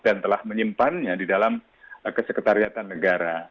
dan telah menyimpannya di dalam keseketarian negara